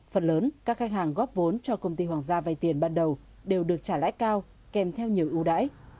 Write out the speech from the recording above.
phần lớn các khách hàng góp vốn cho công ty hoàng gia vay tiền ban đầu đều được trả lãi cao kèm theo nhiều ưu đãi